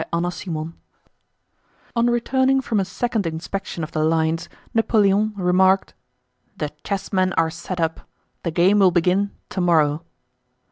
CHAPTER XXIX On returning from a second inspection of the lines, Napoleon remarked: "The chessmen are set up, the game will begin tomorrow!"